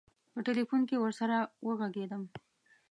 په تیلفون کې ورسره وږغېدم.